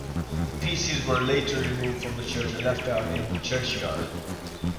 The pieces were later removed from the church and left out in the churchyard.